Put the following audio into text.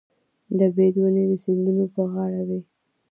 د بید ونې د سیندونو په غاړه وي.